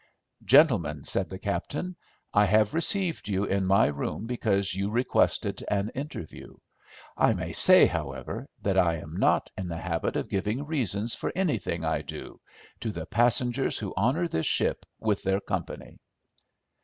"Gentlemen," said the captain, "I have received you in my room because you requested an interview. I may say, however, that I am not in the habit of giving reasons for anything I do, to the passengers who honour this ship with their company."